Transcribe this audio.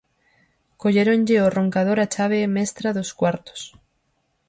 Colléronlle ao roncador a chave mestra dos cuartos.